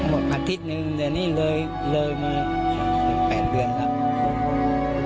หมดอาทิตย์หนึ่งเดือนนี้เลยเลยมา๘เดือนแล้ว